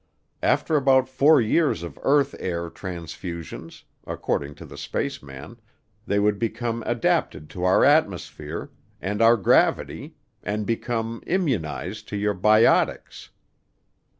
After about four years of earth air transfusions, according to the spaceman, they would become adapted to our atmosphere, and our gravity, and become "immunized to your bi otics."